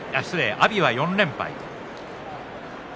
阿炎は４連敗。